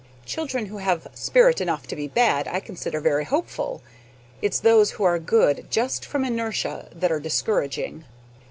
Children who have spirit enough to be bad I consider very hopeful. It's those who are good just from inertia that are discouraging.